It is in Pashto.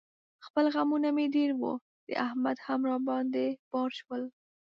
خپل غمونه مې ډېر و، د احمد هم را باندې بار شول.